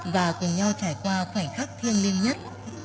và cùng nhau trải qua khoảnh khắc thiêng liêng nhất